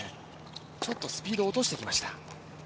ちょっとスピードを落としてきました。